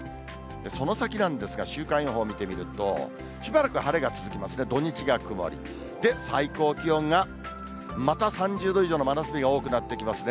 その先なんですが、週間予報を見てみると、しばらく晴れが続きますね、土日が曇り、最高気温が、また３０度以上の真夏日になってきますね。